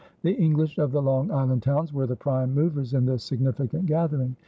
The English of the Long Island towns were the prime movers in this significant gathering.